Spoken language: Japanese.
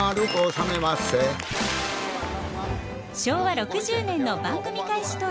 昭和６０年の番組開始